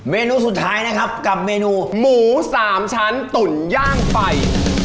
เมนูสุดท้ายนะครับกับเมนูหมู๓ชั้นตุ่นย่างไฟ